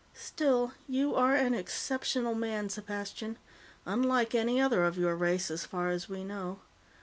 "Still, you are an exceptional man, Sepastian, unlike any other of your race, as far as we know.